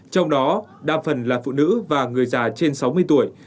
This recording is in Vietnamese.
trong đó đa phần là phụ nữ và người già trên sáu mươi tuổi